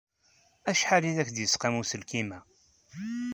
Acḥal ay ak-d-yesqam uselkim-a?